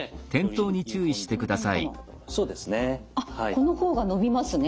この方が伸びますね